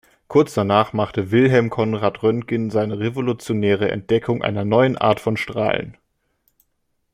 Kurz danach machte Wilhelm Conrad Röntgen seine revolutionäre Entdeckung einer „neuen Art von Strahlen“.